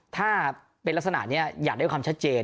ถ้าเป็นลักษณะนี้อยากได้ความชัดเจน